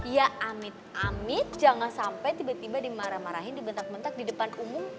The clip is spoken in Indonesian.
ya amit amit jangan sampai tiba tiba dimarah marahin dibentak bentak di depan umum